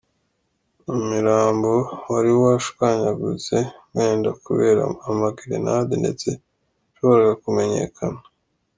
Umirambo wari washwanyaguitse, wenda kubera amagerenade ndetse ntiwashoboraga kumenyakana.